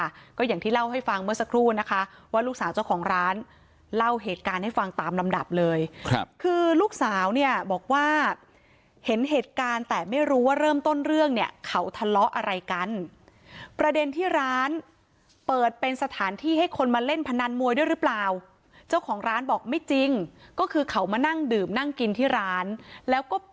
ค่ะก็อย่างที่เล่าให้ฟังเมื่อสักครู่นะคะว่าลูกสาวเจ้าของร้านเล่าเหตุการณ์ให้ฟังตามลำดับเลยครับคือลูกสาวเนี่ยบอกว่าเห็นเหตุการณ์แต่ไม่รู้ว่าเริ่มต้นเรื่องเนี่ยเขาทะเลาะอะไรกันประเด็นที่ร้านเปิดเป็นสถานที่ให้คนมาเล่นพนันมวยด้วยหรือเปล่าเจ้าของร้านบอกไม่จริงก็คือเขามานั่งดื่มนั่งกินที่ร้านแล้วก็ป